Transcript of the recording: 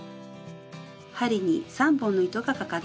針に３本の糸がかかっています。